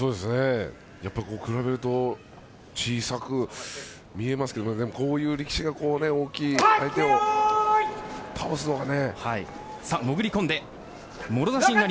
やっぱり比べると小さく見えますがこういう力士が大きい相手を倒すのがね。